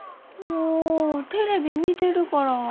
もうテレビ見てるから。